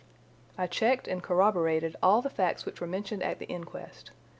I checked and corroborated all the facts which were mentioned at the inquest.